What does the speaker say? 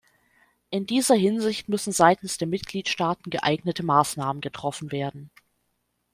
In dieser Hinsicht müssen seitens der Mitgliedstaaten geeignete Maßnahmen getroffen werden.